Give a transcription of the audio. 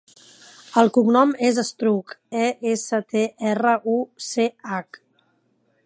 El cognom és Estruch: e, essa, te, erra, u, ce, hac.